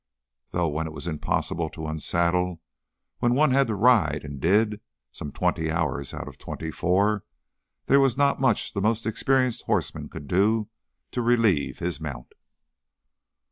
Though when it was impossible to unsaddle, when one had to ride and did some twenty hours out of twenty four, there was not much the most experienced horseman could do to relieve his mount.